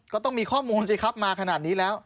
ก็ต้องมีข้อมูลสิครับมาขนาดนี้แล้ว